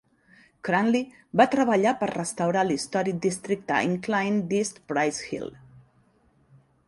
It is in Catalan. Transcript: Cranley va treballar per restaurar l'històric districte Incline d'East Price Hill.